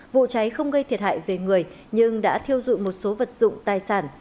vụ cháy không gây thiệt hại về người nhưng đã thiêu dụi một số vật dụng tài sản